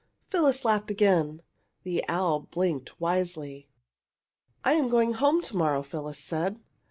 Phyllis laughed again. The owl blinked wisely. "I am going home to morrow," Phyllis said.